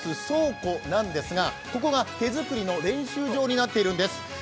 倉庫なんですが、ここが手作りの練習場になっているんです。